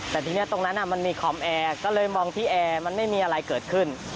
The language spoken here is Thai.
แต่ทีนี้ตรงนั้นมันมีคอมแอร์ก็เลยมองที่แอร์มันไม่มีอะไรเกิดขึ้น